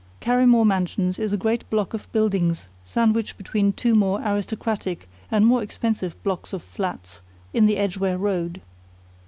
Carrymore Mansions is a great block of buildings sandwiched between two more aristocratic and more expensive blocks of flats in the Edgware Road.